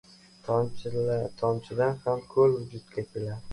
• Tomchidan ham ko‘l vujudga keladi.